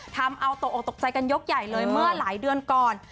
ทำเอาตกออกตกใจกันยกใหญ่เลยเมื่อหลายเดือนก่อน